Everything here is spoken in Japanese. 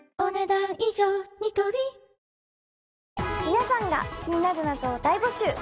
皆さんが気になる謎を大募集。